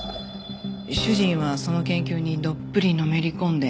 主人はその研究にどっぷりのめり込んで。